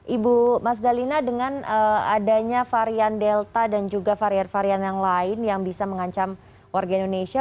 ibu mas dalina dengan adanya varian delta dan juga varian varian yang lain yang bisa mengancam warga indonesia